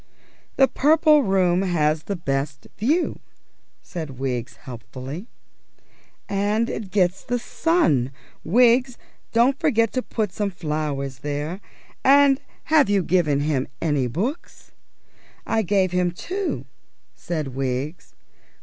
"The Purple Room has the best view," said Wiggs helpfully. "And it gets the sun. Wiggs, don't forget to put some flowers there. And have you given him any books?" "I gave him two," said Wiggs.